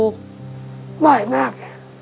บ่อยมาก